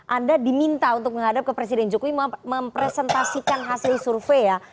anda diminta untuk menghadap ke presiden jokowi mempresentasikan hasil survei ya